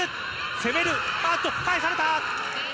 攻める、あーっと、返された。